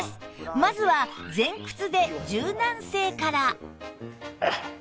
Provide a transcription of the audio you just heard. まずは前屈で柔軟性から